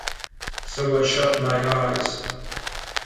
So I shut my eyes.